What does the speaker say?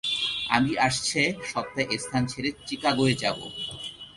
আমি আসছে সপ্তায় এ স্থান ছেড়ে চিকাগোয় যাব।